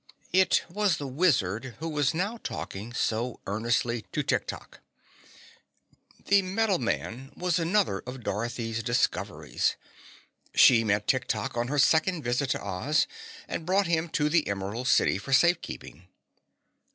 It was the Wizard who was now talking so earnestly to Tik Tok. The Metal Man was another of Dorothy's discoveries. She met Tik Tok on her second visit to Oz and brought him to the Emerald City for safe keeping.